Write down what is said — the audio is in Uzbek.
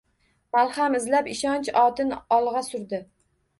Malham istab ishonch otin olg‘a surdi